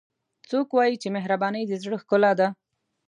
څوک وایي چې مهربانۍ د زړه ښکلا ده